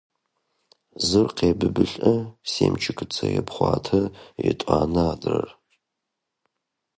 Зыр къебыбылӏэ, семчыкыцэ епхъуатэ, етӏанэ–адрэр…